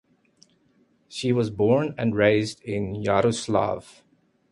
She was born and raised in Yaroslavl.